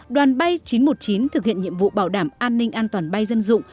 đoàn bay chín trăm một mươi chín thực hiện nhiệm vụ bảo đảm an ninh an toàn bay dân dụng